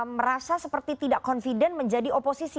merasa seperti tidak confident menjadi oposisi